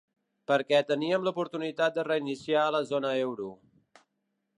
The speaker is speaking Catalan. Perquè teníem l’oportunitat de reiniciar la zona euro.